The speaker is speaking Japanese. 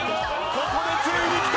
ここでついにきた！